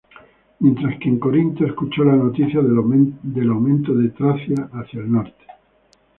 Mientras que en Corinto, escuchó la noticia del aumento de Tracia hacia el norte.